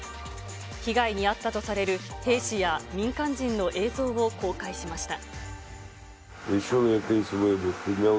被害に遭ったとされる兵士や民間人の映像を公開しました。